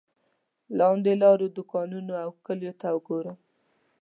لاندې لارو دوکانونو او کلیو ته ګورم.